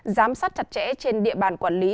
giám sát chặt chẽ trên địa bàn quản lý